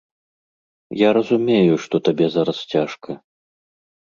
Я разумею, што табе зараз цяжка.